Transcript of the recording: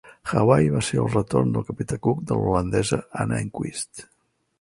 Hawaii va ser El retorn del capità Cook de l'holandesa Anna Enquist.